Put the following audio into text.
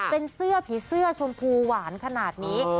เป็นเสื้อผีเสื้อชมพูหวานขนาดนี้